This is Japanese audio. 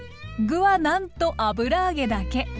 具はなんと油揚げだけ！